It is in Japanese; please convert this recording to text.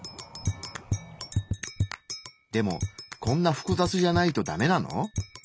でもこんな複雑じゃないとダメなの？